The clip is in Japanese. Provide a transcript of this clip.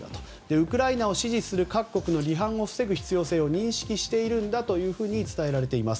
ウクライナを支持する各国の離反を防ぐ必要性を認識しているんだと伝えられています。